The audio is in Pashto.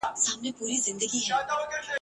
ما پور غوښتی تا نور غوښتی ..